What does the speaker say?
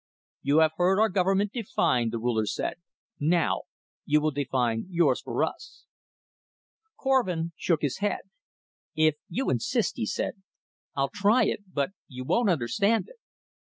"You have heard our government defined," the Ruler said. "Now, you will define yours for us." Korvin shook his head. "If you insist," he said, "I'll try it. But you won't understand it."